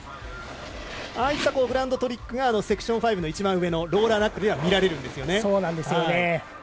ああいったグラウンドトリックがセクション５の一番上のローラーナックルでは見られるんですね。